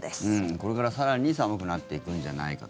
これから更に寒くなっていくんじゃないかと。